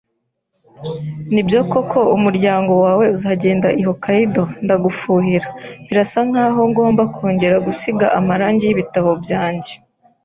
Nibyo koko umuryango wawe uzagenda i Hokkaido? Ndagufuhira. Birasa nkaho ngomba kongera gusiga amarangi y'ibitabo byanjye.